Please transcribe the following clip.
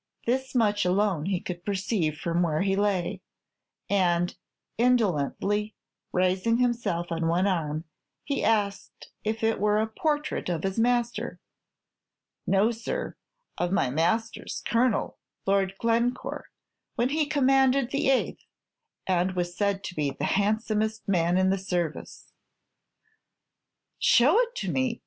This much alone he could perceive from where he lay, and indolently raising himself on one arm, he asked if it were "a portrait of his master"? "No, sir; of my master's colonel, Lord Glencore, when he commanded the Eighth, and was said to be the handsomest man in the service." "Show it to me!"